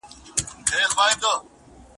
څه ارواوې به قبرونو کې عذاب وي